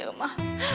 aku tidak bisa